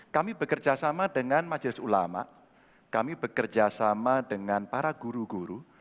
kami bekerjasama dengan majelis ulama kami bekerjasama dengan para guru guru